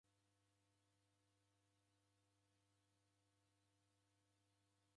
Dazoghora vija didimagha kukuw'ida.